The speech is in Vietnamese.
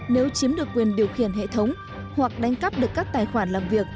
nếu chiếm được quyền điều khiển hệ thống hoặc đánh cắp được các tài khoản làm việc